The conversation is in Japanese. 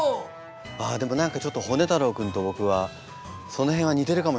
あでも何かちょっとホネ太郎君と僕はその辺は似てるかもしれないな。